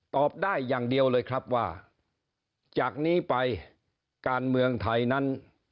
ตอบได้อย่างเดียวเลยครับว่าจากนี้ไปการเมืองไทยนั้น